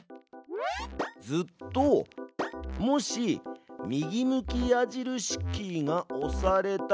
「ずっと」「もし右向き矢印キーが押されたなら」